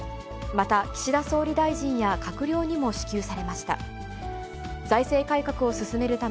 また岸田総理大臣や、閣僚にも支給されました。